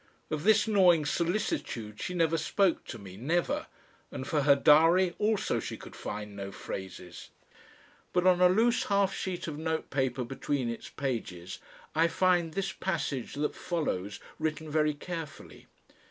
Of this gnawing solicitude she never spoke to me, never, and for her diary also she could find no phrases. But on a loose half sheet of notepaper between its pages I find this passage that follows, written very carefully.